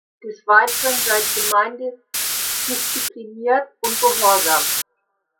Des Weiteren sei die Gemeinde diszipliniert und gehorsam.